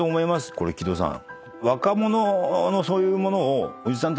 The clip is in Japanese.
これ木戸さん。